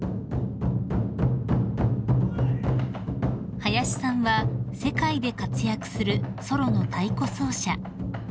［林さんは世界で活躍するソロの太鼓奏者］